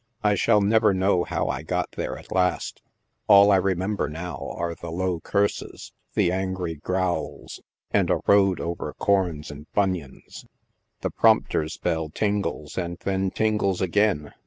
I shall never know how I got there at last ; all I remember now are the low curses, the angry growls and a road over corns and bunions. The prompter's bell tingles and then tingles again.